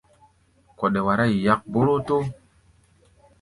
Kɔɗɛ wará yi yák borotoo.